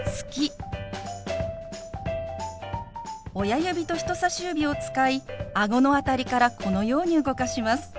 親指と人さし指を使いあごの辺りからこのように動かします。